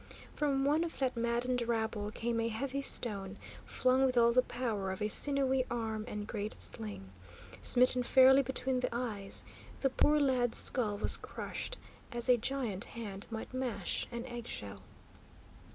From one of that maddened rabble came a heavy stone, flung with all the power of a sinewy arm and great sling. Smitten fairly between the eyes, the poor lad's skull was crushed, as a giant hand might mash an eggshell.